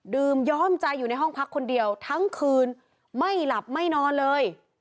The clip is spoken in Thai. ย้อมใจอยู่ในห้องพักคนเดียวทั้งคืนไม่หลับไม่นอนเลย